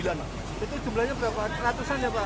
itu jumlahnya berapa ratusan ya pak